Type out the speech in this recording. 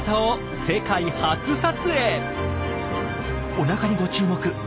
おなかにご注目。